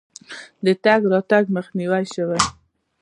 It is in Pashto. د تګ راتګ مخه ونیوله شي.